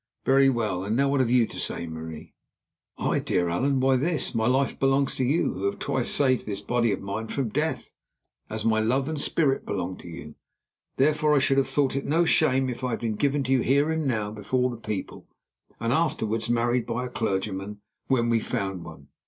"Very well. And now what have you to say, Marie?" "I, dear Allan? Why, this: My life belongs to you, who have twice saved this body of mine from death, as my love and spirit belong to you. Therefore, I should have thought it no shame if I had been given to you here and now before the people, and afterwards married by a clergyman when we found one.